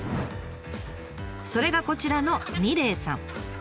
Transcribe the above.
それがこちらの楡井さん。